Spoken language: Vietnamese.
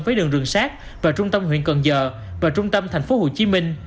với đường rừng sát vào trung tâm huyện cần giờ và trung tâm thành phố hồ chí minh